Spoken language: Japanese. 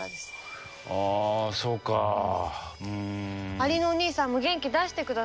アリのお兄さんも元気出してください。